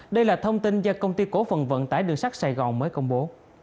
đây là thông tin do công ty cổ phần vận tải đường sắt sài gòn mới công bố